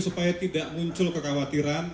supaya tidak muncul kekhawatiran